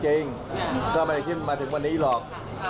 ก็มันไม่คิดว่ามันมาถึงวันนี้หรอก